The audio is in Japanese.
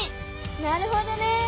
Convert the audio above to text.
なるほどね！